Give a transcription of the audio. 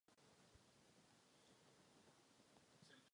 Doslovný překlad znamená „něco za něco“.